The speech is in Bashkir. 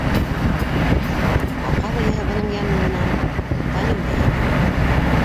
Һаҡал эйәһе бының янынан тайыу йәһәтен күрҙе.